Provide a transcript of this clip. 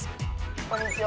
こんにちは。